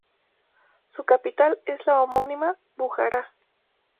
Su capital es la homónima Bujará.